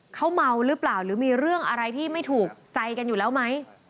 เขาเมาหรือเปล่าหรือมีเรื่องอะไรที่ไม่ถูกใจกันอยู่แล้วไหม